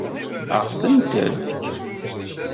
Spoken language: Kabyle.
Ad ɣ-tent-tefk?